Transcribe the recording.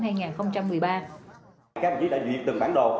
các bà chí đã duyệt từng bản đồ